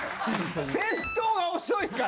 先頭が遅いから。